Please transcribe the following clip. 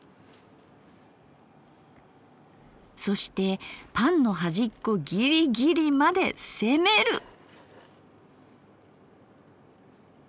そしてパンの端っこぎりぎりまで攻める！